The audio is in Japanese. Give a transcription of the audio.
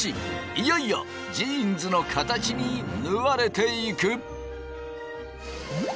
いよいよジーンズの形に縫われていく。